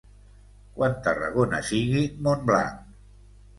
Quan Tarragona sigui Montblanc.